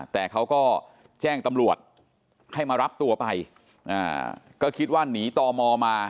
แต่เขาก็แจ้งตำรวจให้มารับตัวไปก็คิดว่าหนีต่อมอมา